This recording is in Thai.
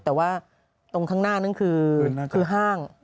แต่ว่าตรงข้างหน้านั่นคือห้าง